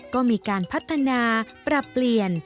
ก็มีการพัฒนาปรับเปลี่ยน